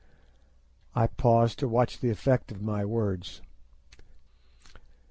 I paused to watch the effect of my words.